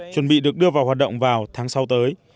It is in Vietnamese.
chuẩn bị được đưa vào hoạt động vào tháng sau tới